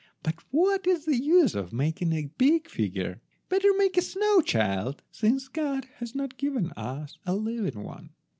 But what is the use of making a big figure? Better make a snow child, since God has not given us a living one."